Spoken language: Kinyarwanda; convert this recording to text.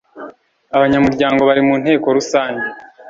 abanyamuryango bari mu nteko rusange